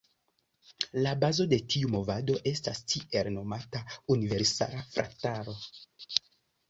Bazo de tiu movado estas tiel nomata „Universala Frataro“.